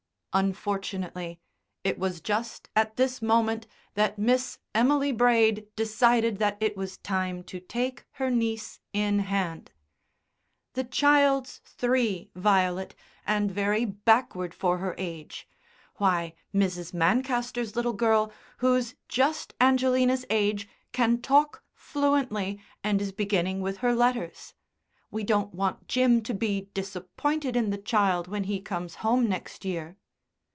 Unfortunately it was just at this moment that Miss Emily Braid decided that it was time to take her niece in hand. "The child's three, Violet, and very backward for her age. Why, Mrs. Mancaster's little girl, who's just Angelina's age, can talk fluently, and is beginning with her letters. We don't want Jim to be disappointed in the child when he comes home next year."